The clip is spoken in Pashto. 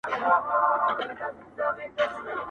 یادونه: انځور- قادر خان کښلی دی-